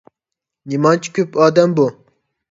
نېمانچە كۆپ ئادەم بۇ.